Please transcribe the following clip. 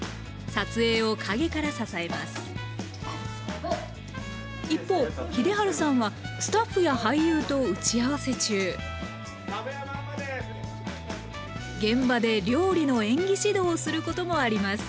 撮影を陰から支えます一方秀治さんはスタッフや俳優と打ち合わせ中現場で料理の演技指導をすることもあります。